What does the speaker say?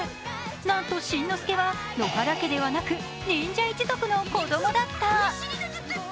なんと、しんのすけは野原家ではなく忍者一族の子供だった。